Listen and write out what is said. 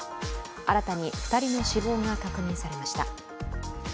新たに２人の死亡が確認されました。